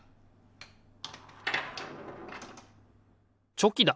チョキだ！